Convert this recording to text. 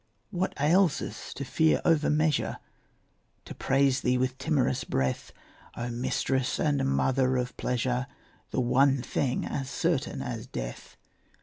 What ails us to fear overmeasure, To praise thee with timorous breath, O mistress and mother of pleasure, The one thing as certain as death?